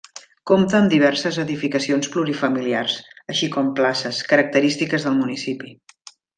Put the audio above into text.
Compta amb diverses edificacions plurifamiliars, així com places, característiques del municipi.